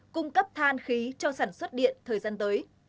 cung cấp than khí cho sản xuất điện thời gian tới